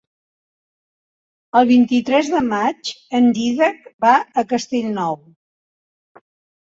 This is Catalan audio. El vint-i-tres de maig en Dídac va a Castellnou.